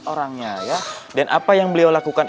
orangnya ya dan apa yang beliau lakukan